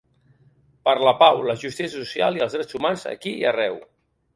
Per la pau, la justícia social i els drets humans aquí i arreu .